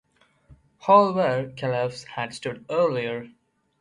Hall where Calef's had stood earlier.